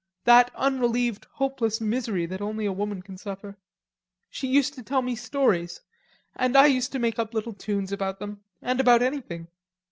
that unrelieved hopeless misery that only a woman can suffer. She used to tell me stories, and I used to make up little tunes about them, and about anything.